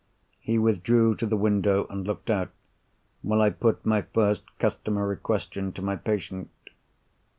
He withdrew to the window and looked out, while I put my first customary question to my patient.